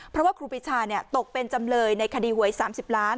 เพราะว่าครูปีชาตกเป็นจำเลยในคดีหวย๓๐ล้าน